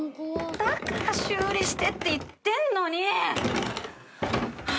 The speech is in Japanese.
だから修理してって言ってんのに。